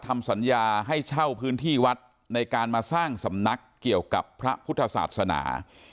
ทำสัญญาให้เช่าพื้นที่วัดในการมาสร้างสำนักเกี่ยวกับพระพุทธศาสนา